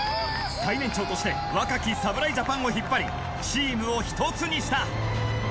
最年長として若き侍ジャパンを引っ張りチームを一つにした。